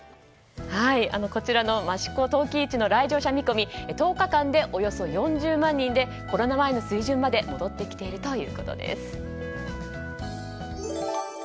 こちらの益子陶器市の来場者見込みは１０日間でおよそ４０万人でコロナ前の水準まで戻ってきているということです。